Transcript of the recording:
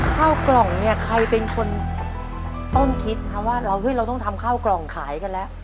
ข้าวกล่องเนี่ยใครเป็นคนต้นคิดว่าเราเฮ้ยเราต้องทำข้าวกล่องขายกันแล้ว